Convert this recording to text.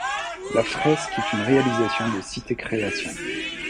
La Fresque est une réalisation de CitéCréation.